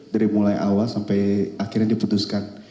dari mulai awal sampai akhirnya diputuskan